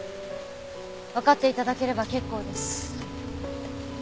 わかって頂ければ結構です。